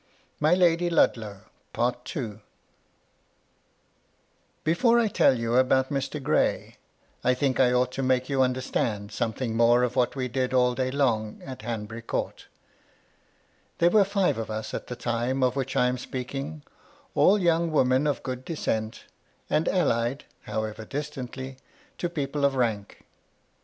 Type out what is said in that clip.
"' MY LADY LUDLOW. 39 CHAPTER IL Before I tell you about Mr. Gray, I think I ought to make you understand something more of what we did aU day long at Hanbury Court There were five of us at the time of which I am speaking, all young women of good descent, and allied (however distantly) to people of rank.